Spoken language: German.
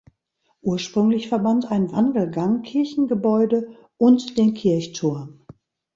Ursprünglich verband ein Wandelgang Kirchengebäude und den Kirchturm.